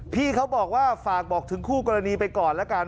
พี่เขาบอกว่าฝากบอกถึงคู่กรณีไปก่อนแล้วกัน